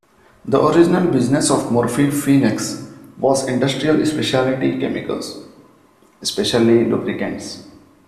The original business of Murphy-Phoenix was Industrial Specialty Chemicals, especially lubricants.